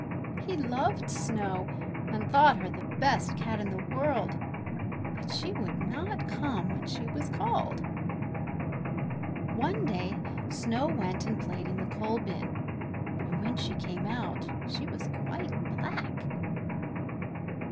He loved Snow and thought her the best cat in the world, but she would not come when she was called. One day Snow went and played in the coal bin, and when she came out she was quite black.